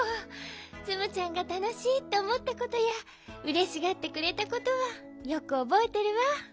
ツムちゃんがたのしいっておもったことやうれしがってくれたことはよくおぼえてるわ。